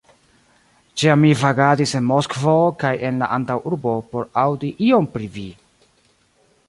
Ĉiam mi vagadis en Moskvo kaj en la antaŭurbo, por aŭdi ion pri vi!